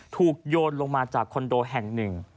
โยนลงมาจากคอนโดแห่งหนึ่ง